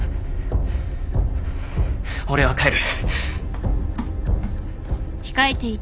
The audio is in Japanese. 俺は帰る。